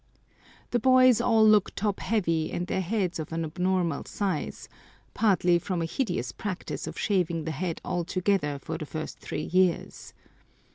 The boys all look top heavy and their heads of an abnormal size, partly from a hideous practice of shaving the head altogether for the first three years.